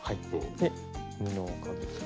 で布をかぶせて。